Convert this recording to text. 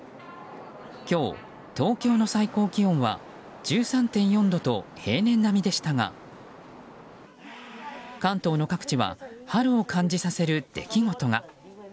今日、東京の最高気温は１３．４度と平年並みでしたが関東の各地は春を感じさせる出来事が。